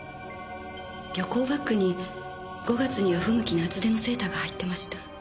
旅行バッグに５月には不向きな厚手のセーターが入ってました。